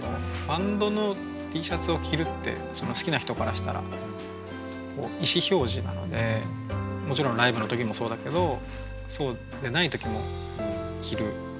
バンドのＴシャツを着るって好きな人からしたら意思表示なのでもちろんライブの時もそうだけどそうでない時も着る。